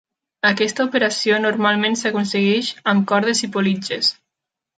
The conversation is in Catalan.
Aquesta operació normalment s'aconsegueix amb cordes i politges.